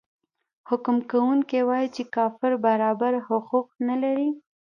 حکم کوونکی وايي چې کافر برابر حقوق نلري.